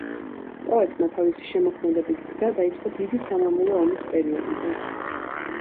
პოეტმა თავისი შემოქმედებითი გზა დაიწყო დიდი სამამულო ომის პერიოდიდან.